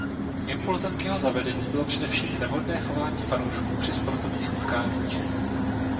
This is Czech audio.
Impulzem k jeho zavedení bylo především nevhodné chování fanoušků při sportovních utkáních.